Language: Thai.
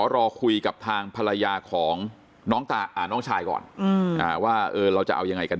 รอคุยกับทางภรรยาของน้องชายก่อนว่าเราจะเอายังไงกัน